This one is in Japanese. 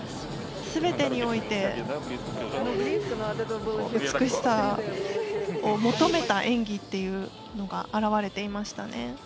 すべてにおいて美しさを求めた演技というのが表れていましたね。